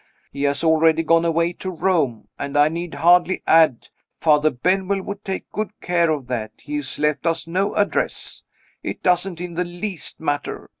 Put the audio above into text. He has already gone away to Rome; and I need hardly add Father Benwell would take good care of that he has left us no address. It doesn't in the least matter.